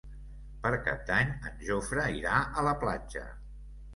Per Cap d'Any en Jofre irà a la platja.